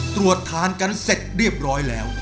ตรวจทานกันเสร็จเรียบร้อยแล้ว